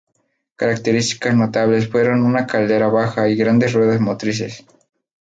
Características notables fueron una caldera baja y grandes ruedas motrices.